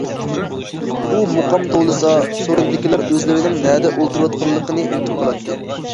ئۇ مۇقام توۋلىسا، سورۇندىكىلەر ئۆزلىرىنىڭ نەدە ئولتۇرۇۋاتقانلىقىنى ئۇنتۇپ قالاتتى.